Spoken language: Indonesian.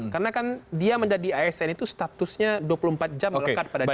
karena kan dia menjadi asn itu statusnya dua puluh empat jam lekat pada dirinya